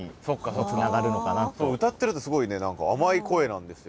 歌ってるとすごい何か甘い声なんですよ。